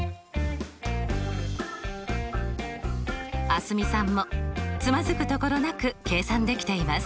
蒼澄さんもつまずくところなく計算できています。